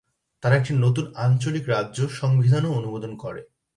তারা একটি নতুন আঞ্চলিক রাজ্য সংবিধানও অনুমোদন করে।